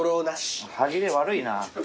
歯切れ悪いな。